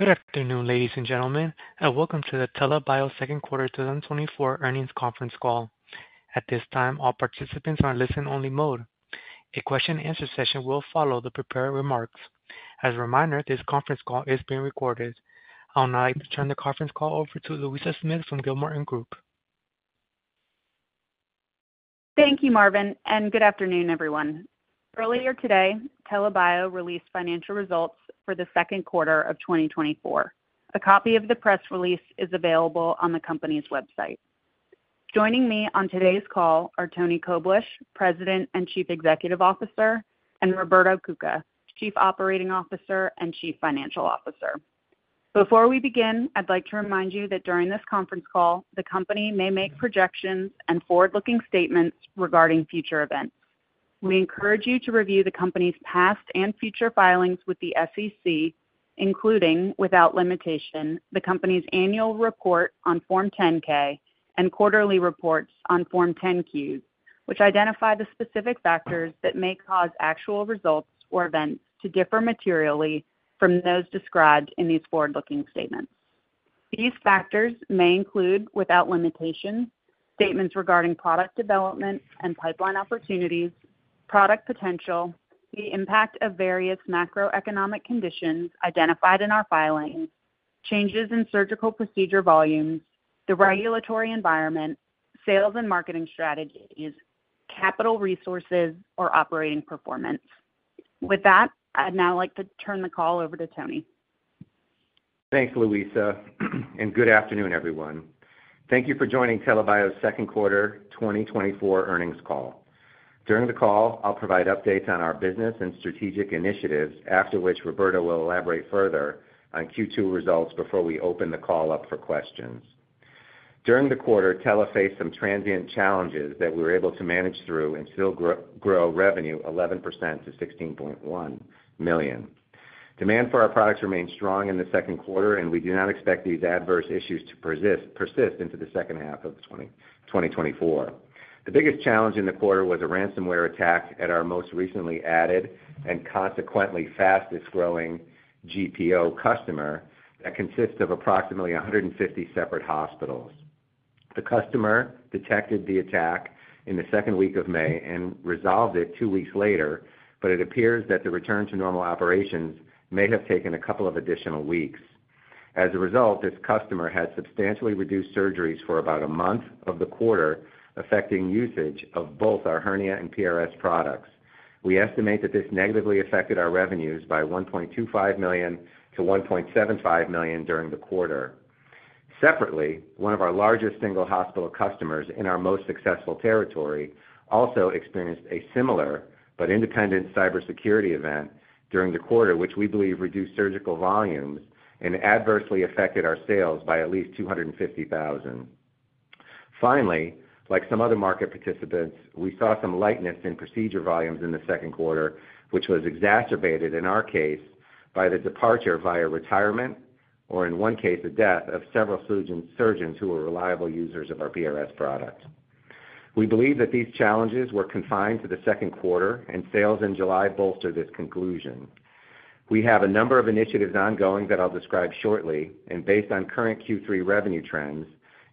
Good afternoon, ladies and gentlemen, and welcome to the TELA Bio second quarter 2024 earnings conference call. At this time, all participants are in listen-only mode. A question-and-answer session will follow the prepared remarks. As a reminder, this conference call is being recorded. I would now like to turn the conference call over to Louisa Smith from Gilmartin Group. Thank you, Marvin, and good afternoon, everyone. Earlier today, TELA Bio released financial results for the second quarter of 2024. A copy of the press release is available on the company's website. Joining me on today's call are Antony Koblish, President and Chief Executive Officer, and Roberto Cuca, Chief Operating Officer and Chief Financial Officer. Before we begin, I'd like to remind you that during this conference call, the company may make projections and forward-looking statements regarding future events. We encourage you to review the company's past and future filings with the SEC, including, without limitation, the company's annual report on Form 10-K and quarterly reports on Form 10-Q, which identify the specific factors that may cause actual results or events to differ materially from those described in these forward-looking statements. These factors may include, without limitation, statements regarding product development and pipeline opportunities, product potential, the impact of various macroeconomic conditions identified in our filings, changes in surgical procedure volumes, the regulatory environment, sales and marketing strategies, capital resources, or operating performance. With that, I'd now like to turn the call over to Tony. Thanks, Louisa, and good afternoon, everyone. Thank you for joining TELA Bio's second quarter 2024 earnings call. During the call, I'll provide updates on our business and strategic initiatives, after which Roberto will elaborate further on Q2 results before we open the call up for questions. During the quarter, TELA faced some transient challenges that we were able to manage through and still grow revenue 11% to $16.1 million. Demand for our products remained strong in the second quarter, and we do not expect these adverse issues to persist into the second half of 2024. The biggest challenge in the quarter was a ransomware attack at our most recently added and consequently fastest-growing GPO customer that consists of approximately 150 separate hospitals. The customer detected the attack in the second week of May and resolved it two weeks later, but it appears that the return to normal operations may have taken a couple of additional weeks. As a result, this customer had substantially reduced surgeries for about a month of the quarter, affecting usage of both our hernia and PRS products. We estimate that this negatively affected our revenues by $1.25 million-$1.75 million during the quarter. Separately, one of our largest single hospital customers in our most successful territory also experienced a similar but independent cybersecurity event during the quarter, which we believe reduced surgical volumes and adversely affected our sales by at least $250,000. Finally, like some other market participants, we saw some lightness in procedure volumes in the second quarter, which was exacerbated, in our case, by the departure via retirement or in one case, a death of several surgeons, surgeons who were reliable users of our PRS product. We believe that these challenges were confined to the second quarter and sales in July bolster this conclusion. We have a number of initiatives ongoing that I'll describe shortly, and based on current Q3 revenue trends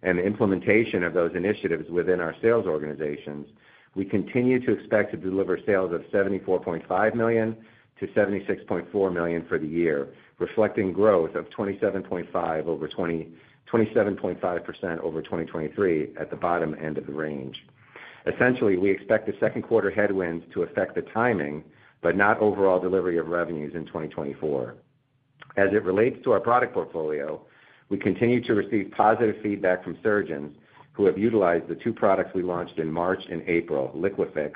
and the implementation of those initiatives within our sales organizations, we continue to expect to deliver sales of $74.5 million-$76.4 million for the year, reflecting growth of 27.5% over 2023 at the bottom end of the range. Essentially, we expect the second quarter headwinds to affect the timing, but not overall delivery of revenues in 2024. As it relates to our product portfolio, we continue to receive positive feedback from surgeons who have utilized the two products we launched in March and April, LiquiFix,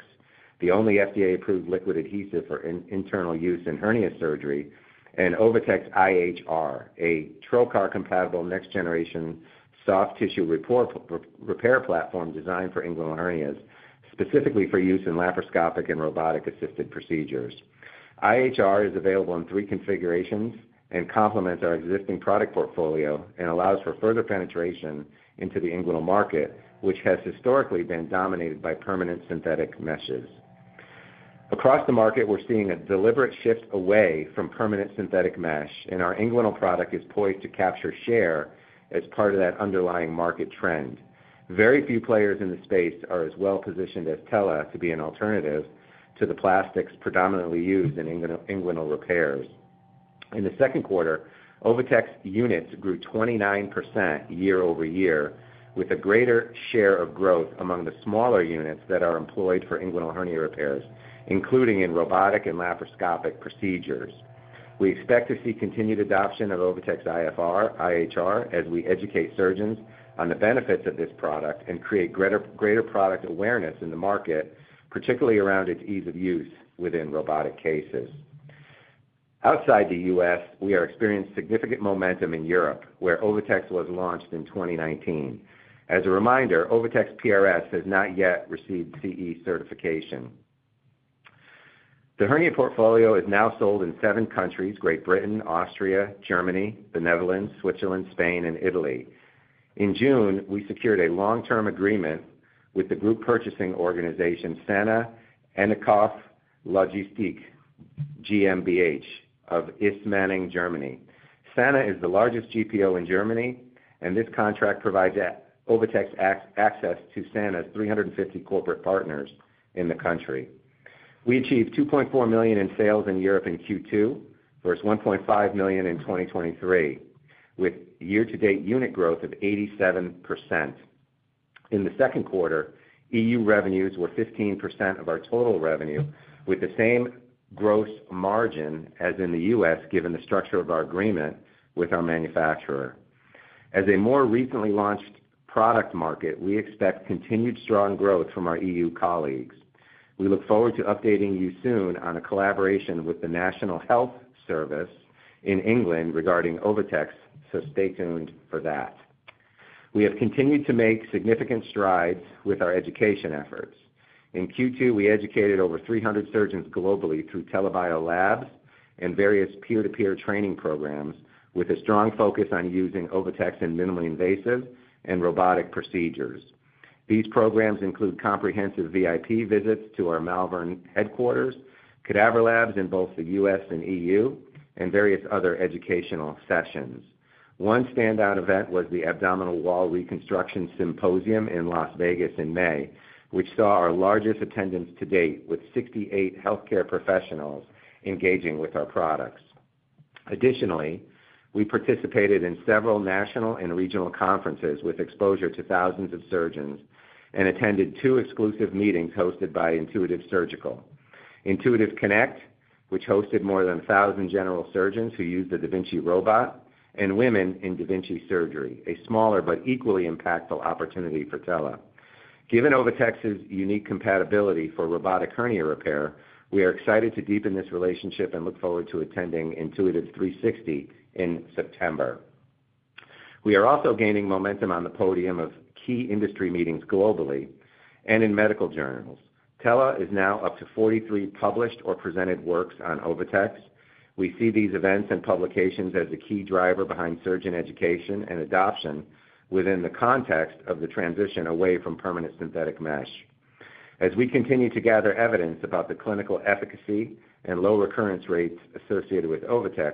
the only FDA-approved liquid adhesive for internal use in hernia surgery, and OviTex IHR, a trocar-compatible, next-generation soft tissue repair platform designed for inguinal hernias, specifically for use in laparoscopic and robotic-assisted procedures. IHR is available in three configurations and complements our existing product portfolio and allows for further penetration into the inguinal market, which has historically been dominated by permanent synthetic meshes. Across the market, we're seeing a deliberate shift away from permanent synthetic mesh, and our inguinal product is poised to capture share as part of that underlying market trend. Very few players in the space are as well-positioned as TELA to be an alternative to the plastics predominantly used in inguinal, inguinal repairs. In the second quarter, OviTex units grew 29% year-over-year, with a greater share of growth among the smaller units that are employed for inguinal hernia repairs, including in robotic and laparoscopic procedures. We expect to see continued adoption of OviTex IHR as we educate surgeons on the benefits of this product and create greater, greater product awareness in the market, particularly around its ease of use within robotic cases. Outside the US, we are experiencing significant momentum in Europe, where OviTex was launched in 2019. As a reminder, OviTex PRS has not yet received CE certification. The hernia portfolio is now sold in seven countries: Great Britain, Austria, Germany, Netherlands, Switzerland, Spain, and Italy. In June, we secured a long-term agreement... with the group purchasing organization, Sana Einkauf & Logistik GmbH of Ismaning, Germany. Sana is the largest GPO in Germany, and this contract provides OviTex access to Sana's 350 corporate partners in the country. We achieved $2.4 million in sales in Europe in Q2, versus $1.5 million in 2023, with year-to-date unit growth of 87%. In the second quarter, EU revenues were 15% of our total revenue, with the same gross margin as in the US, given the structure of our agreement with our manufacturer. As a more recently launched product market, we expect continued strong growth from our EU colleagues. We look forward to updating you soon on a collaboration with the National Health Service in England regarding OviTex, so stay tuned for that. We have continued to make significant strides with our education efforts. In Q2, we educated over 300 surgeons globally through TELA Bio labs and various peer-to-peer training programs, with a strong focus on using OviTex in minimally invasive and robotic procedures. These programs include comprehensive VIP visits to our Malvern headquarters, cadaver labs in both the US and EU, and various other educational sessions. One standout event was the Abdominal Wall Reconstruction Symposium in Las Vegas in May, which saw our largest attendance to date, with 68 healthcare professionals engaging with our products. Additionally, we participated in several national and regional conferences with exposure to thousands of surgeons and attended two exclusive meetings hosted by Intuitive Surgical. Intuitive Connect, which hosted more than 1,000 general surgeons who use the da Vinci robot, and Women in da Vinci Surgery, a smaller but equally impactful opportunity for TELA Bio. Given OviTex's unique compatibility for robotic hernia repair, we are excited to deepen this relationship and look forward to attending Intuitive 360 in September. We are also gaining momentum on the podium of key industry meetings globally and in medical journals. TELA is now up to 43 published or presented works on OviTex. We see these events and publications as a key driver behind surgeon education and adoption within the context of the transition away from permanent synthetic mesh. As we continue to gather evidence about the clinical efficacy and low recurrence rates associated with OviTex,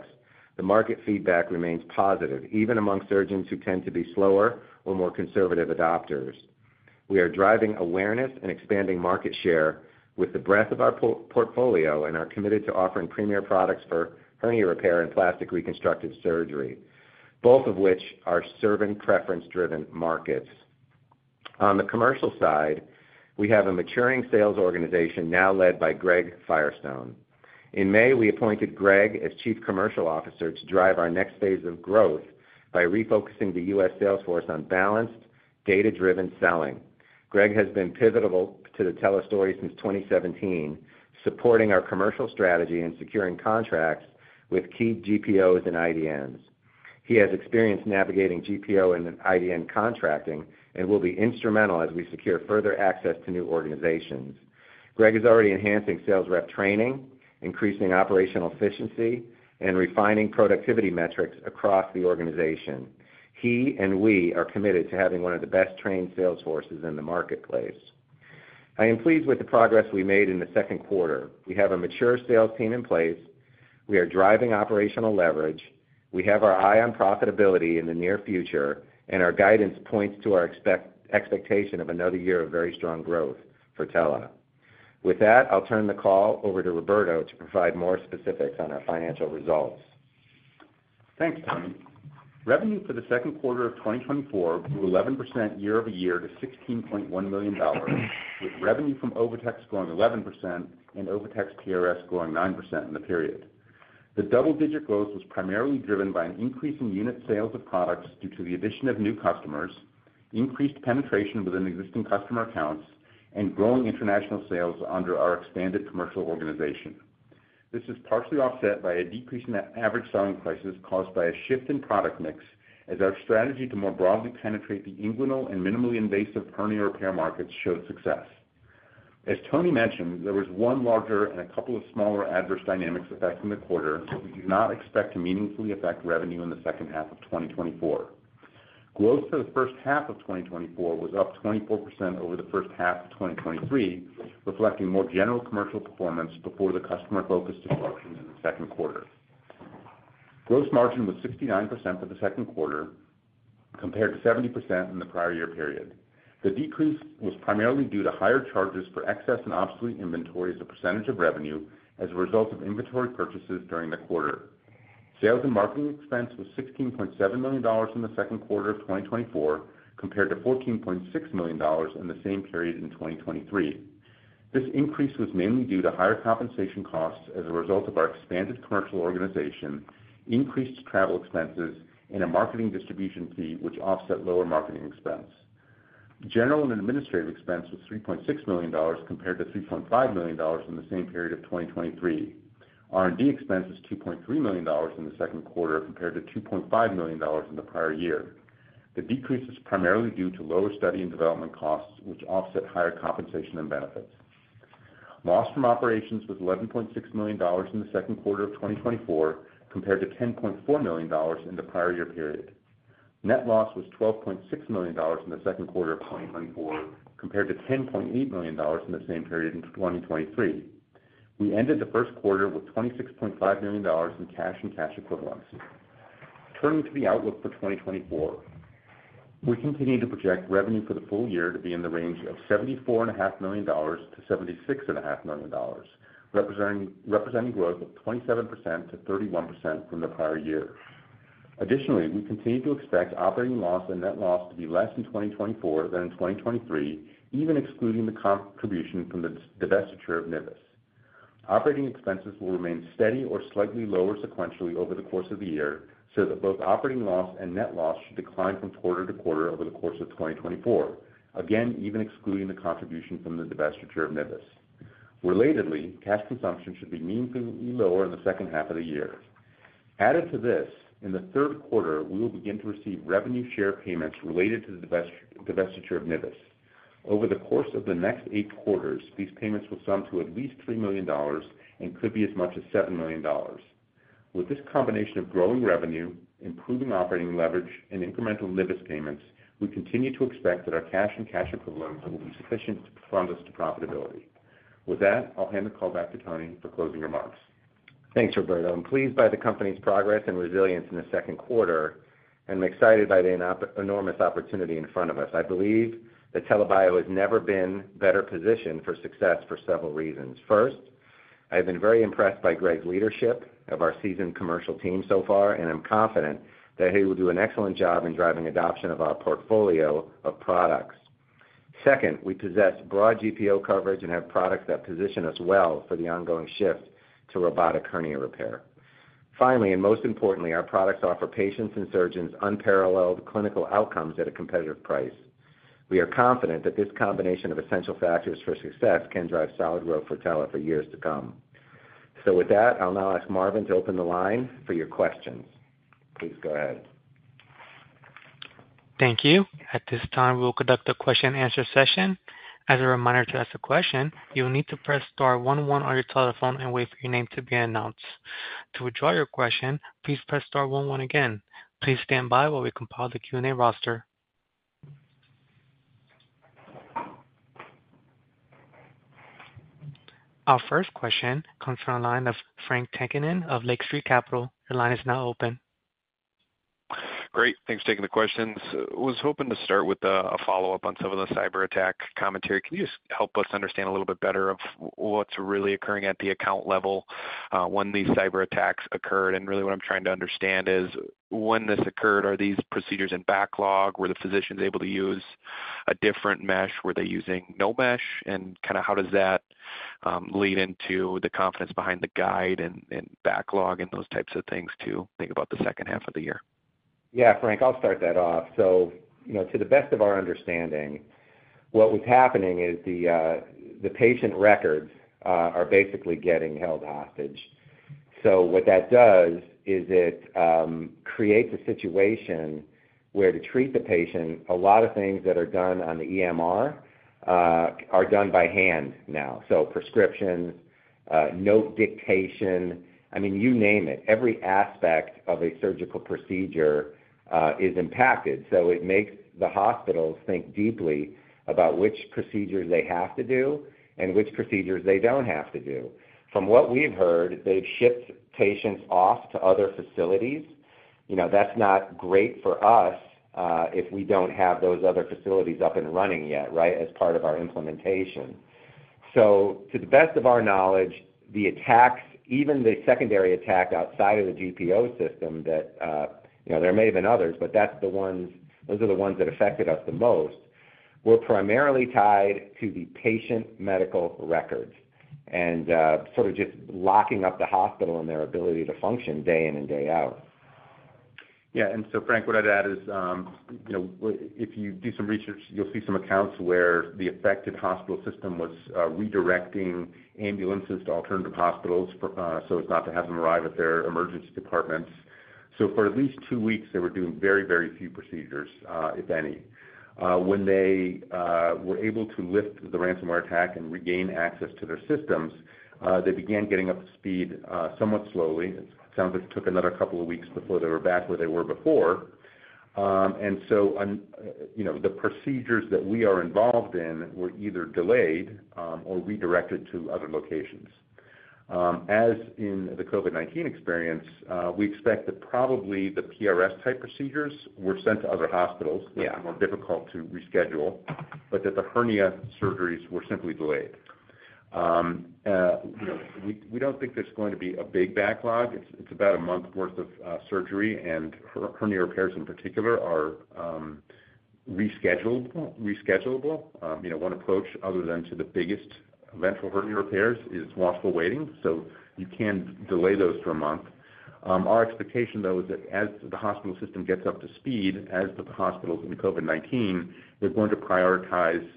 the market feedback remains positive, even among surgeons who tend to be slower or more conservative adopters. We are driving awareness and expanding market share with the breadth of our portfolio and are committed to offering premier products for hernia repair and plastic reconstructive surgery, both of which are serving preference-driven markets. On the commercial side, we have a maturing sales organization now led by Greg Firestone. In May, we appointed Greg as Chief Commercial Officer to drive our next phase of growth by refocusing the U.S. sales force on balanced, data-driven selling. Greg has been pivotal to the TELA story since 2017, supporting our commercial strategy and securing contracts with key GPOs and IDNs. He has experience navigating GPO and IDN contracting and will be instrumental as we secure further access to new organizations. Greg is already enhancing sales rep training, increasing operational efficiency, and refining productivity metrics across the organization. He and we are committed to having one of the best-trained sales forces in the marketplace. I am pleased with the progress we made in the second quarter. We have a mature sales team in place. We are driving operational leverage. We have our eye on profitability in the near future, and our guidance points to our expectation of another year of very strong growth for TELA. With that, I'll turn the call over to Roberto to provide more specifics on our financial results. Thanks, Tony. Revenue for the second quarter of 2024 grew 11% year-over-year to $16.1 million, with revenue from OviTex growing 11% and OviTex PRS growing 9% in the period. The double-digit growth was primarily driven by an increase in unit sales of products due to the addition of new customers, increased penetration within existing customer accounts, and growing international sales under our expanded commercial organization. This is partially offset by a decrease in the average selling prices caused by a shift in product mix, as our strategy to more broadly penetrate the inguinal and minimally invasive hernia repair markets showed success. As Tony mentioned, there was one larger and a couple of smaller adverse dynamics affecting the quarter, that we do not expect to meaningfully affect revenue in the second half of 2024. Growth for the first half of 2024 was up 24% over the first half of 2023, reflecting more general commercial performance before the customer focused disruption in the second quarter. Gross margin was 69% for the second quarter, compared to 70% in the prior year period. The decrease was primarily due to higher charges for excess and obsolete inventory as a percentage of revenue as a result of inventory purchases during the quarter. Sales and marketing expense was $16.7 million in the second quarter of 2024, compared to $14.6 million in the same period in 2023. This increase was mainly due to higher compensation costs as a result of our expanded commercial organization, increased travel expenses, and a marketing distribution fee, which offset lower marketing expense. General and administrative expense was $3.6 million, compared to $3.5 million in the same period of 2023. R&D expense was $2.3 million in the second quarter, compared to $2.5 million in the prior year. The decrease is primarily due to lower study and development costs, which offset higher compensation and benefits. Loss from operations was $11.6 million in the second quarter of 2024, compared to $10.4 million in the prior year period. Net loss was $12.6 million in the second quarter of 2024, compared to $10.8 million in the same period in 2023. We ended the first quarter with $26.5 million in cash and cash equivalents. Turning to the outlook for 2024. We continue to project revenue for the full year to be in the range of $74.5 million-$76.5 million, representing growth of 27%-31% from the prior year. Additionally, we continue to expect operating loss and net loss to be less in 2024 than in 2023, even excluding the contribution from the divestiture of NIVIS. Operating expenses will remain steady or slightly lower sequentially over the course of the year, so that both operating loss and net loss should decline from quarter to quarter over the course of 2024. Again, even excluding the contribution from the divestiture of NIVIS. Relatedly, cash consumption should be meaningfully lower in the second half of the year. Added to this, in the third quarter, we will begin to receive revenue share payments related to the divestiture of NIVIS. Over the course of the next eight quarters, these payments will sum to at least $3 million and could be as much as $7 million. With this combination of growing revenue, improving operating leverage, and incremental NIVIS payments, we continue to expect that our cash and cash equivalents will be sufficient to fund us to profitability. With that, I'll hand the call back to Tony for closing remarks. Thanks, Roberto. I'm pleased by the company's progress and resilience in the second quarter, and I'm excited by the enormous opportunity in front of us. I believe that TELA Bio has never been better positioned for success for several reasons. First, I've been very impressed by Greg's leadership of our seasoned commercial team so far, and I'm confident that he will do an excellent job in driving adoption of our portfolio of products. Second, we possess broad GPO coverage and have products that position us well for the ongoing shift to robotic hernia repair. Finally, and most importantly, our products offer patients and surgeons unparalleled clinical outcomes at a competitive price. We are confident that this combination of essential factors for success can drive solid growth for TELA for years to come. So with that, I'll now ask Marvin to open the line for your questions. Please go ahead. Thank you. At this time, we will conduct a question and answer session. As a reminder to ask a question, you will need to press star one one on your telephone and wait for your name to be announced. To withdraw your question, please press star one one again. Please stand by while we compile the Q&A roster. Our first question comes from the line of Frank Takkinen of Lake Street Capital. Your line is now open. Great, thanks for taking the questions. I was hoping to start with a follow-up on some of the cyberattack commentary. Can you just help us understand a little bit better what's really occurring at the account level, when these cyberattacks occurred? And really, what I'm trying to understand is when this occurred, are these procedures in backlog? Were the physicians able to use a different mesh? Were they using no mesh? And kind of how does that lead into the confidence behind the guide and backlog and those types of things to think about the second half of the year? Yeah, Frank, I'll start that off. So, you know, to the best of our understanding, what was happening is the patient records are basically getting held hostage. So what that does is it creates a situation where to treat the patient, a lot of things that are done on the EMR are done by hand now. So prescriptions, note dictation, I mean, you name it. Every aspect of a surgical procedure is impacted. So it makes the hospitals think deeply about which procedures they have to do and which procedures they don't have to do. From what we've heard, they've shipped patients off to other facilities. You know, that's not great for us if we don't have those other facilities up and running yet, right? As part of our implementation. To the best of our knowledge, the attacks, even the secondary attack outside of the GPO system, that you know, there may have been others, but those are the ones that affected us the most, were primarily tied to the patient medical records, and sort of just locking up the hospital and their ability to function day in and day out. Yeah, and so Frank, what I'd add is, you know, if you do some research, you'll see some accounts where the affected hospital system was, redirecting ambulances to alternative hospitals for, so as not to have them arrive at their emergency departments. So for at least two weeks, they were doing very, very few procedures, if any. When they were able to lift the ransomware attack and regain access to their systems, they began getting up to speed, somewhat slowly. It sounds like it took another couple of weeks before they were back where they were before. And so you know, the procedures that we are involved in were either delayed, or redirected to other locations. As in the COVID-19 experience, we expect that probably the PRS type procedures were sent to other hospitals- Yeah. - that were more difficult to reschedule, but that the hernia surgeries were simply delayed. You know, we don't think there's going to be a big backlog. It's about a month worth of surgery, and hernia repairs in particular are reschedulable. You know, one approach other than to the biggest ventral hernia repairs is watchful waiting, so you can delay those for a month. Our expectation, though, is that as the hospital system gets up to speed, as the hospitals in the COVID-19, they're going to prioritize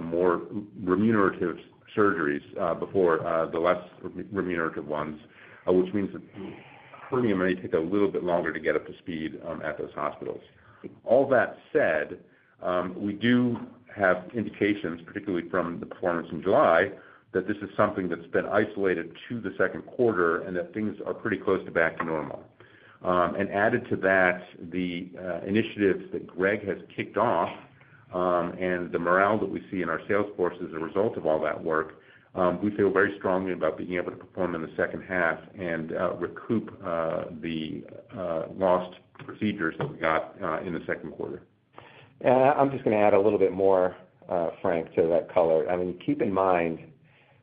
more remunerative surgeries before the less remunerative ones, which means that hernia may take a little bit longer to get up to speed at those hospitals. All that said, we do have indications, particularly from the performance in July, that this is something that's been isolated to the second quarter and that things are pretty close to back to normal. And added to that, the initiatives that Greg has kicked off, and the morale that we see in our sales force as a result of all that work, we feel very strongly about being able to perform in the second half and recoup the lost procedures that we got in the second quarter. I'm just gonna add a little bit more, Frank, to that color. I mean, keep in mind,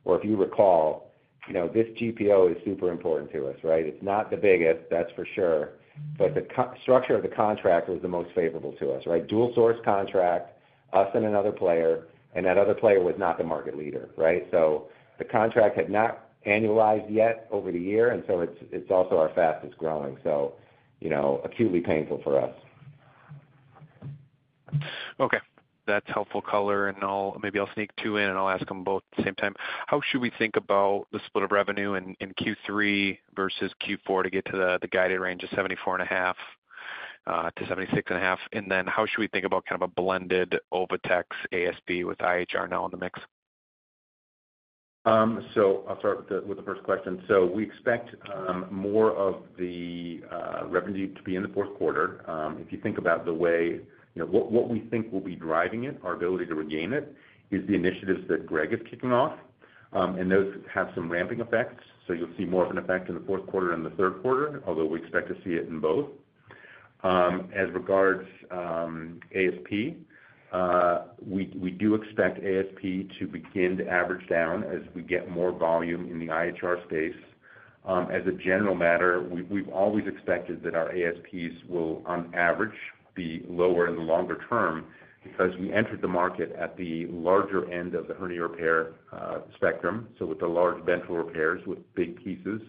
or if you recall, you know, this GPO is super important to us, right? It's not the biggest, that's for sure, but the cost structure of the contract was the most favorable to us, right? Dual source contract, us and another player, and that other player was not the market leader, right? So the contract had not annualized yet over the year, and so it's, it's also our fastest growing, so, you know, acutely painful for us. Okay, that's helpful color, and I'll maybe I'll sneak two in, and I'll ask them both at the same time. How should we think about the split of revenue in Q3 versus Q4 to get to the guided range of $74.5-$76.5? And then how should we think about kind of a blended OviTex ASP with IHR now in the mix? So I'll start with the first question. So we expect more of the revenue to be in the fourth quarter. If you think about the way, you know, what we think will be driving it, our ability to regain it, is the initiatives that Greg is kicking off. And those have some ramping effects, so you'll see more of an effect in the fourth quarter and the third quarter, although we expect to see it in both. As regards ASP, we do expect ASP to begin to average down as we get more volume in the IHR space. As a general matter, we've always expected that our ASPs will, on average, be lower in the longer term, because we entered the market at the larger end of the hernia repair spectrum, so with the large ventral repairs, with big pieces.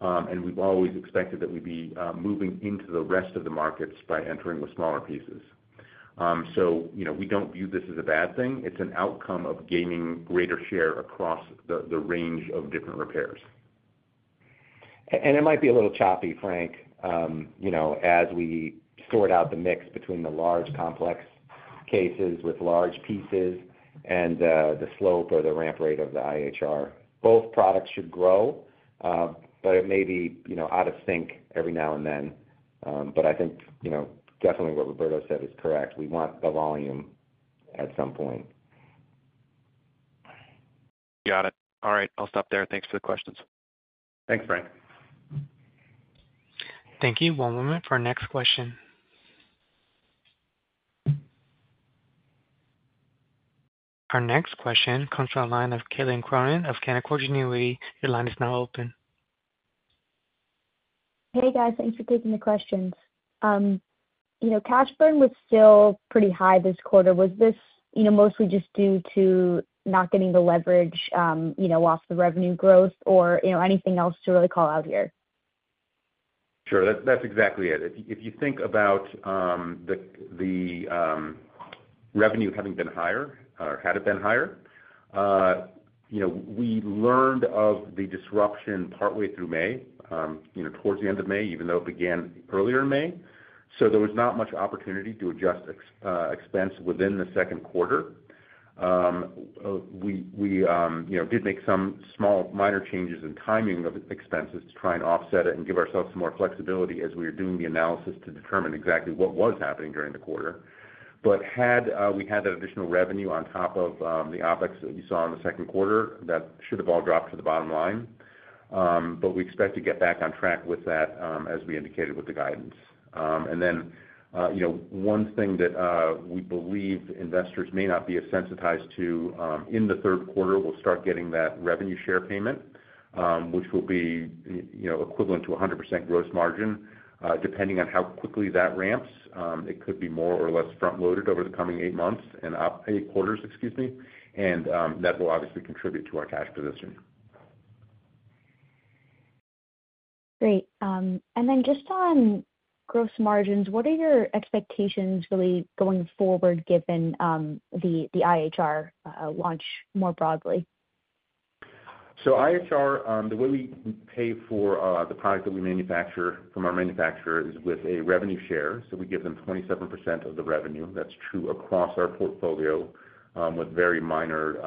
And we've always expected that we'd be moving into the rest of the markets by entering with smaller pieces. So, you know, we don't view this as a bad thing. It's an outcome of gaining greater share across the range of different repairs. It might be a little choppy, Frank, you know, as we sort out the mix between the large, complex cases with large pieces and the slope or the ramp rate of the IHR. Both products should grow, but it may be, you know, out of sync every now and then. But I think, you know, definitely what Roberto said is correct. We want the volume at some point. Got it. All right, I'll stop there. Thanks for the questions. Thanks, Frank. Thank you. One moment for our next question. Our next question comes from the line of Caitlin Cronin of Canaccord Genuity. Your line is now open. Hey, guys. Thanks for taking the questions. You know, cash burn was still pretty high this quarter. Was this, you know, mostly just due to not getting the leverage, you know, off the revenue growth or, you know, anything else to really call out here? Sure. That's, that's exactly it. If, if you think about, the revenue having been higher or had it been higher, you know, we learned of the disruption partway through May, you know, towards the end of May, even though it began earlier in May. So there was not much opportunity to adjust expense within the second quarter. We did make some small minor changes in timing of expenses to try and offset it and give ourselves some more flexibility as we were doing the analysis to determine exactly what was happening during the quarter. But had we had that additional revenue on top of, the OpEx that you saw in the second quarter, that should have all dropped to the bottom line. But we expect to get back on track with that, as we indicated with the guidance. And then, you know, one thing that, we believe investors may not be as sensitized to, in the third quarter, we'll start getting that revenue share payment, which will be, you know, equivalent to 100% gross margin. Depending on how quickly that ramps, it could be more or less front-loaded over the coming eight months, and op- eight quarters, excuse me, and, that will obviously contribute to our cash position. Great. And then just on gross margins, what are your expectations really going forward, given the IHR launch more broadly? So IHR, the way we pay for the product that we manufacture from our manufacturer is with a revenue share, so we give them 27% of the revenue. That's true across our portfolio, with very minor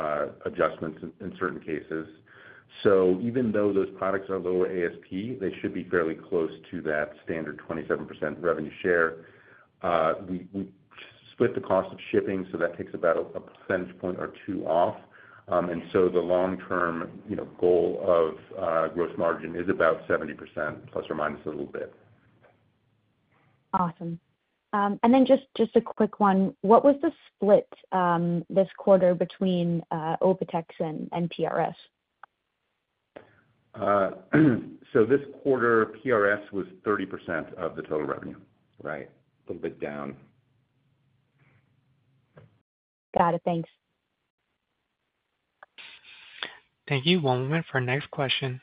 adjustments in certain cases. So even though those products are lower ASP, they should be fairly close to that standard 27% revenue share. We split the cost of shipping, so that takes about a percentage point or two off. And so the long-term, you know, goal of gross margin is about 70%, plus or minus a little bit. Awesome. And then just a quick one: What was the split this quarter between OviTex and PRS? This quarter, PRS was 30% of the total revenue. Right. A little bit down. Got it. Thanks. Thank you. One moment for our next question....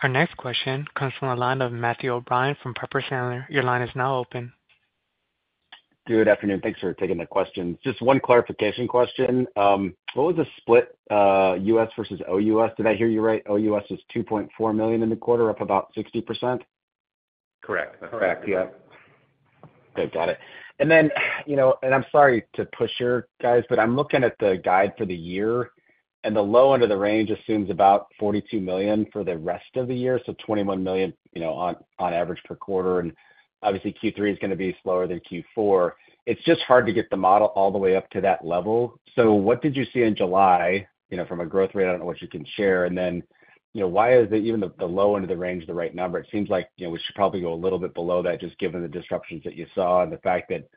Our next question comes from the line of Matthew O'Brien from Piper Sandler. Your line is now open. Good afternoon. Thanks for taking the question. Just one clarification question. What was the split, US versus OUS? Did I hear you right, OUS is $2.4 million in the quarter, up about 60%? Correct. That's correct, yeah. Okay, got it. And then, you know, and I'm sorry to push you guys, but I'm looking at the guide for the year, and the low end of the range assumes about $42 million for the rest of the year, so $21 million, you know, on average per quarter. And obviously, Q3 is going to be slower than Q4. It's just hard to get the model all the way up to that level. So what did you see in July, you know, from a growth rate? I don't know what you can share. And then, you know, why is it even the low end of the range the right number? It seems like, you know, we should probably go a little bit below that, just given the disruptions that you saw and the fact that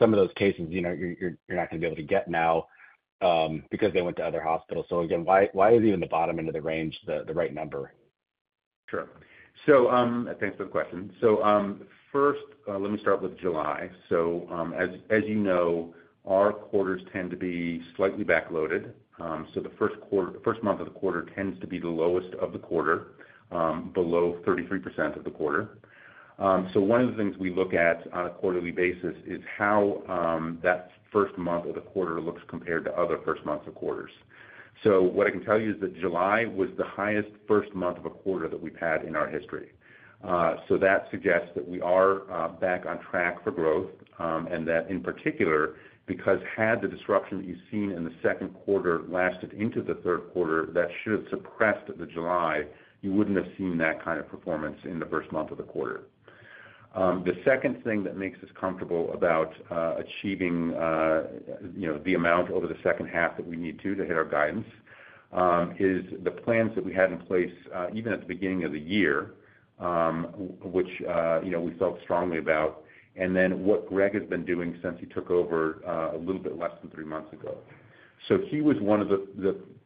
some of those cases, you know, you're not going to be able to get now, because they went to other hospitals. So again, why is even the bottom end of the range the right number? Sure. Thanks for the question. First, let me start with July. As you know, our quarters tend to be slightly backloaded. The first quarter, first month of the quarter tends to be the lowest of the quarter, below 33% of the quarter. One of the things we look at on a quarterly basis is how that first month of the quarter looks compared to other first months of quarters. What I can tell you is that July was the highest first month of a quarter that we've had in our history. That suggests that we are back on track for growth, and that in particular, because had the disruption that you've seen in the second quarter lasted into the third quarter, that should have suppressed the July. You wouldn't have seen that kind of performance in the first month of the quarter. The second thing that makes us comfortable about achieving, you know, the amount over the second half that we need to to hit our guidance is the plans that we had in place even at the beginning of the year, which, you know, we felt strongly about, and then what Greg has been doing since he took over a little bit less than three months ago. So he was one of the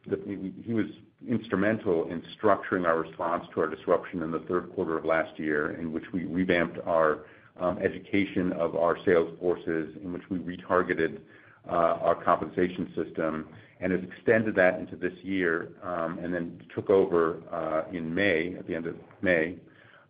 -- he was instrumental in structuring our response to our disruption in the third quarter of last year, in which we revamped our education of our sales forces, in which we retargeted our compensation system and has extended that into this year, and then took over in May, at the end of May,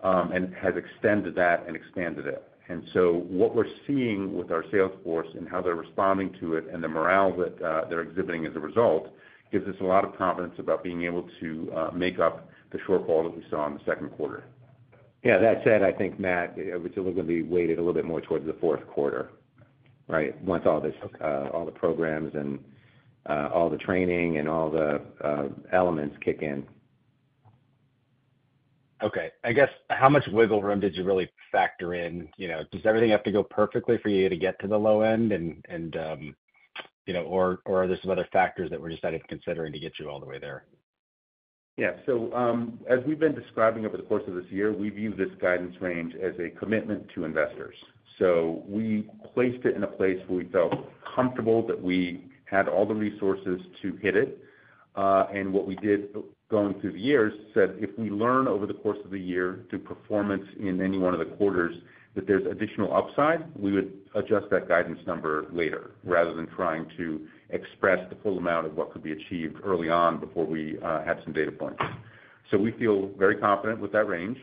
and has extended that and expanded it. And so what we're seeing with our sales force and how they're responding to it and the morale that they're exhibiting as a result gives us a lot of confidence about being able to make up the shortfall that we saw in the second quarter. Yeah, that said, I think, Matt, it's still going to be weighted a little bit more towards the fourth quarter, right? Once all this, all the programs and, all the training and all the, elements kick in. Okay. I guess, how much wiggle room did you really factor in? You know, does everything have to go perfectly for you to get to the low end and you know, or are there some other factors that we're just not considering to get you all the way there? Yeah. So, as we've been describing over the course of this year, we view this guidance range as a commitment to investors. So we placed it in a place where we felt comfortable that we had all the resources to hit it. And what we did going through the years said, "If we learn over the course of the year through performance in any one of the quarters, that there's additional upside, we would adjust that guidance number later, rather than trying to express the full amount of what could be achieved early on before we had some data points." So we feel very confident with that range.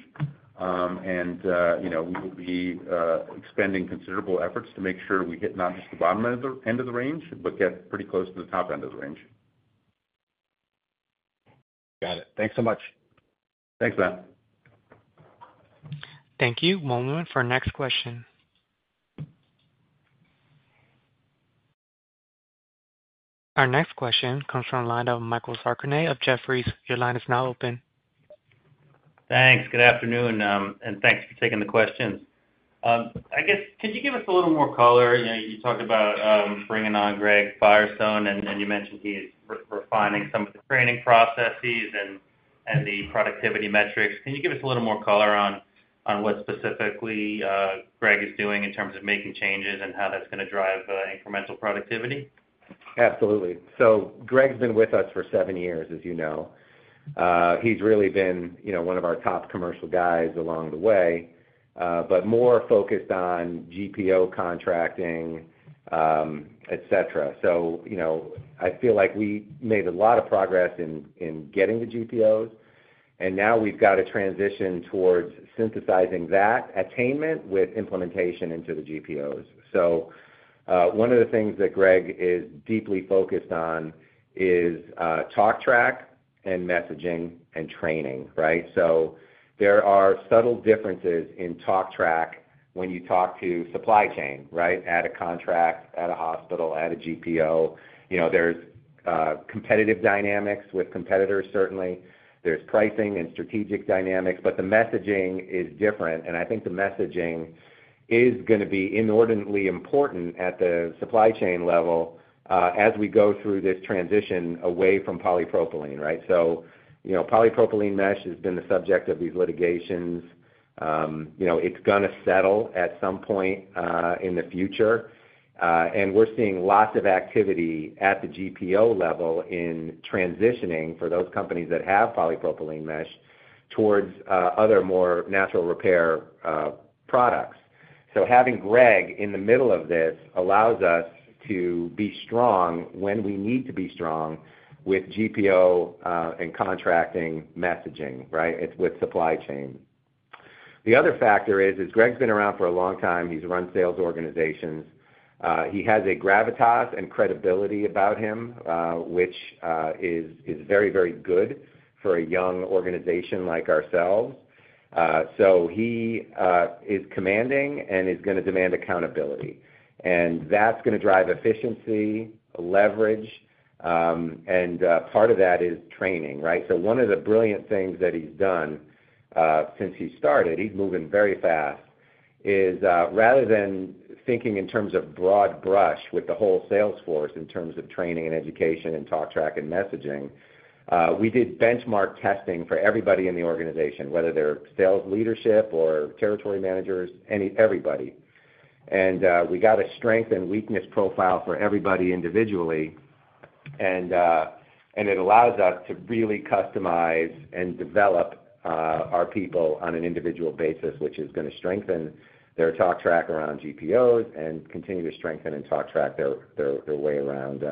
And, you know, we will be expending considerable efforts to make sure we hit not just the bottom end of the range, but get pretty close to the top end of the range. Got it. Thanks so much. Thanks, Matt. Thank you. We'll move on for our next question. Our next question comes from the line of Michael Sarcone of Jefferies. Your line is now open. Thanks. Good afternoon, and thanks for taking the questions. I guess, could you give us a little more color? You know, you talked about bringing on Greg Firestone, and you mentioned he is refining some of the training processes and the productivity metrics. Can you give us a little more color on what specifically Greg is doing in terms of making changes and how that's going to drive incremental productivity? Absolutely. So Greg's been with us for seven years, as you know. He's really been, you know, one of our top commercial guys along the way, but more focused on GPO contracting, et cetera. So, you know, I feel like we made a lot of progress in getting the GPOs, and now we've got to transition towards synthesizing that attainment with implementation into the GPOs. So, one of the things that Greg is deeply focused on is talk track and messaging and training, right? So there are subtle differences in talk track when you talk to supply chain, right? At a contract, at a hospital, at a GPO. You know, there's competitive dynamics with competitors, certainly. There's pricing and strategic dynamics, but the messaging is different, and I think the messaging is going to be inordinately important at the supply chain level as we go through this transition away from polypropylene, right? So, you know, polypropylene mesh has been the subject of these litigations. You know, it's gonna settle at some point in the future, and we're seeing lots of activity at the GPO level in transitioning for those companies that have polypropylene mesh towards other more natural repair products. So having Greg in the middle of this allows us to be strong when we need to be strong with GPO and contracting messaging, right? It's with supply chain. The other factor is Greg's been around for a long time. He's run sales organizations. He has a gravitas and credibility about him, which is very, very good for a young organization like ourselves. So he is commanding and is gonna demand accountability, and that's gonna drive efficiency, leverage, and part of that is training, right? So one of the brilliant things that he's done since he started, he's moving very fast, is rather than thinking in terms of broad brush with the whole sales force, in terms of training and education and talk track and messaging, we did benchmark testing for everybody in the organization, whether they're sales leadership or territory managers, everybody. We got a strength and weakness profile for everybody individually, and it allows us to really customize and develop our people on an individual basis, which is gonna strengthen their talk track around GPOs and continue to strengthen their talk track their way around,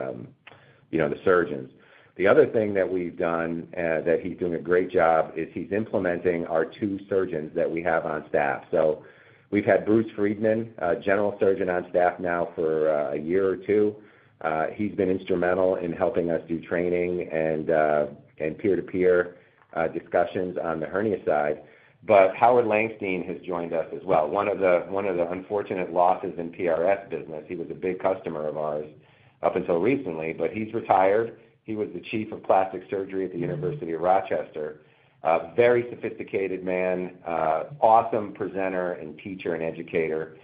you know, the surgeons. The other thing that we've done, that he's doing a great job, is he's implementing our two surgeons that we have on staff. So we've had Bruce Friedman, a general surgeon on staff now for a year or two. He's been instrumental in helping us do training and peer-to-peer discussions on the hernia side. But Howard Langstein has joined us as well. One of the unfortunate losses in PRS business, he was a big customer of ours up until recently, but he's retired. He was the Chief of Plastic Surgery at the University of Rochester. A very sophisticated man, awesome presenter and teacher and educator, and he's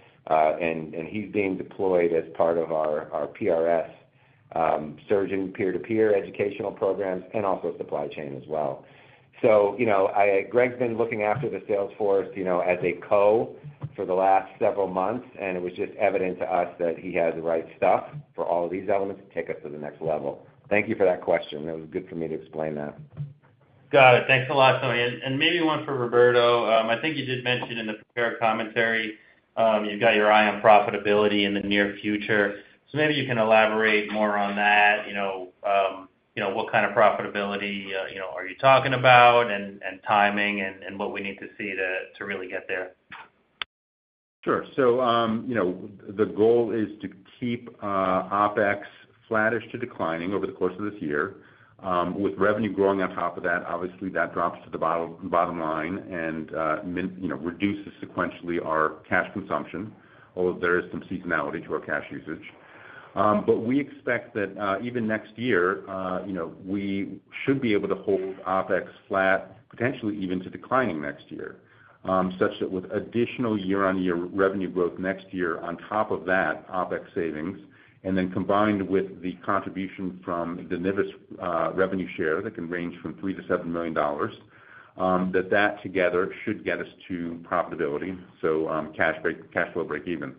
being deployed as part of our PRS surgeon peer-to-peer educational programs and also supply chain as well. So, you know, Greg's been looking after the sales force, you know, as a CCO for the last several months, and it was just evident to us that he has the right stuff for all of these elements to take us to the next level. Thank you for that question. That was good for me to explain that. Got it. Thanks a lot, Tony. And maybe one for Roberto. I think you did mention in the prepared commentary, you've got your eye on profitability in the near future. So maybe you can elaborate more on that. You know, you know, what kind of profitability, you know, are you talking about, and timing and what we need to see to really get there? Sure. So, you know, the goal is to keep OpEx flattish to declining over the course of this year. With revenue growing on top of that, obviously, that drops to the bottom, bottom line and, you know, reduces sequentially our cash consumption, although there is some seasonality to our cash usage. But we expect that, even next year, you know, we should be able to hold OpEx flat, potentially even to declining next year. Such that with additional year-on-year revenue growth next year on top of that OpEx savings, and then combined with the contribution from the NIVIS revenue share, that can range from $3 million-$7 million, that that together should get us to profitability. So, cash flow break even.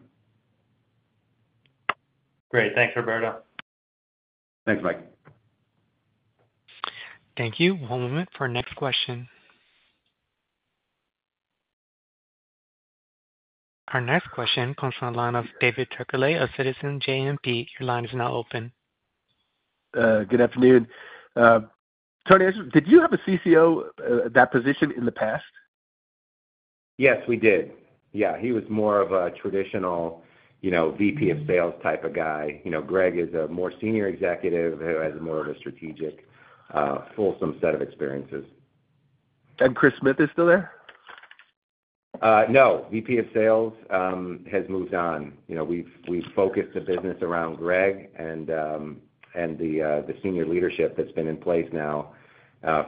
Great. Thanks, Roberto. Thanks, Mike. Thank you. One moment for our next question. Our next question comes from the line of David Turkaly of Citizens JMP. Your line is now open. Good afternoon. Tony, did you have a CCO, that position in the past? Yes, we did. Yeah, he was more of a traditional, you know, VP of sales type of guy. You know, Greg is a more senior executive who has more of a strategic, fulsome set of experiences. Chris Smith is still there? No. VP of Sales has moved on. You know, we've focused the business around Greg and the senior leadership that's been in place now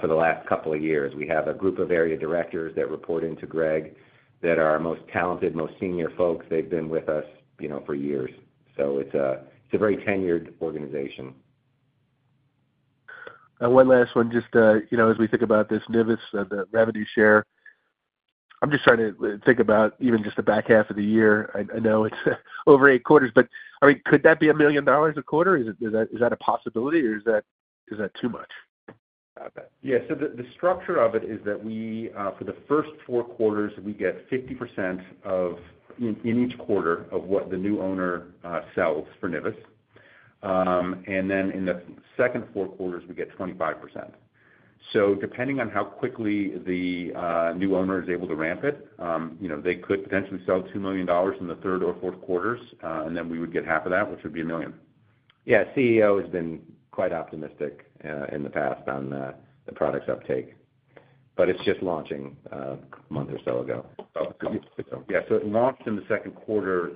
for the last couple of years. We have a group of area directors that report into Greg that are our most talented, most senior folks. They've been with us, you know, for years. So it's a very tenured organization. And one last one. Just, you know, as we think about this NIVIS, the revenue share, I'm just trying to think about even just the back half of the year. I know it's over eight quarters, but, I mean, could that be $1 million a quarter? Is it a possibility or is that too much? Yeah. So the structure of it is that we, for the first four quarters, we get 50% of... in each quarter of what the new owner sells for NIVIS. And then in the second four quarters, we get 25%. So depending on how quickly the new owner is able to ramp it, you know, they could potentially sell $2 million in the third or fourth quarters, and then we would get half of that, which would be $1 million. Yeah, CEO has been quite optimistic in the past on the product's uptake, but it's just launching a month or so ago. Yeah, so it launched in the second quarter.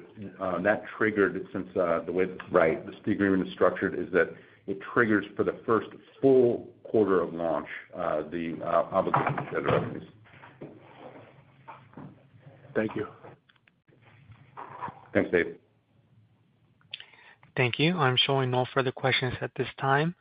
That triggered since, the way- Right This agreement is structured, is that it triggers for the first full quarter of launch, the obligations and revenues. Thank you. Thanks, Dave. Thank you. I'm showing no further questions at this time.